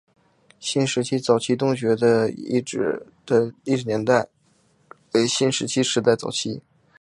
新石器早期洞穴遗址的历史年代为新石器时代早期。